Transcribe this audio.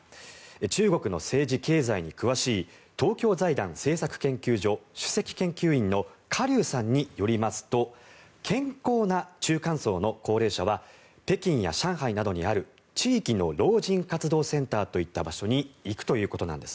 中国の政治経済に詳しい東京財団政策研究所主席研究員のカ・リュウさんによりますと健康な中間層の高齢者は北京や上海などにある地域の老人活動センターといった場所に行くということなんです。